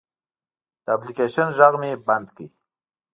د اپلیکیشن غږ مې بند کړ.